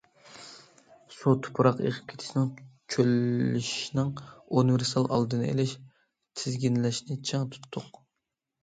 سۇ- تۇپراق ئېقىپ كېتىشنىڭ، چۆللىشىشنىڭ ئۇنىۋېرسال ئالدىنى ئېلىش- تىزگىنلەشنى چىڭ تۇتتۇق.